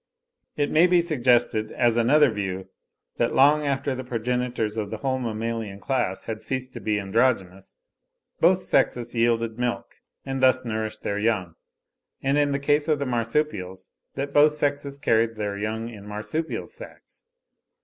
It may be suggested, as another view, that long after the progenitors of the whole mammalian class had ceased to be androgynous, both sexes yielded milk, and thus nourished their young; and in the case of the Marsupials, that both sexes carried their young in marsupial sacks.